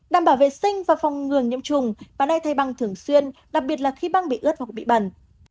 đảm bảo vệ sinh và phòng ngường nhiễm trùng bạn hãy thay băng thường xuyên đặc biệt là khi băng bị ướt hoặc bị bẩn